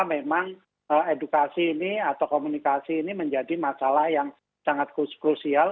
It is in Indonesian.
memang edukasi ini atau komunikasi ini menjadi masalah yang sangat krusial